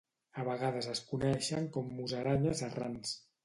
A vegades es coneixen com musaranyes errants.